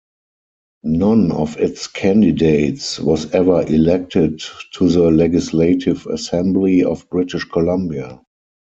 None of its candidates was ever elected to the Legislative Assembly of British Columbia.